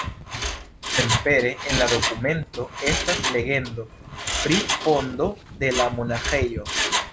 Senpere en la dokumento estas legendo pri fondo de la monaĥejo.